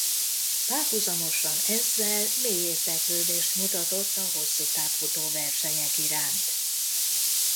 Párhuzamosan ezzel mély érdeklődést mutatott a hosszútávfutó-versenyek iránt.